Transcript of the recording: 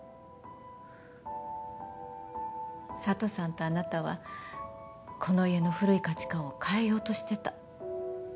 佐都さんとあなたはこの家の古い価値観を変えようとしてた。